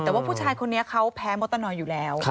แต่ว่าผู้ชายคนนี้เขาแพ้มดตะนอยอยู่แล้ว